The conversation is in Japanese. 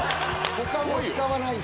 誰も使わない。